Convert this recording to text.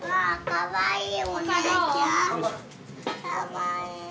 かわいい。